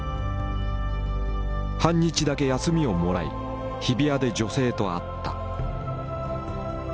半日だけ休みをもらい日比谷で女性と会った。